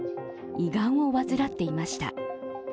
胃がんを患っていました。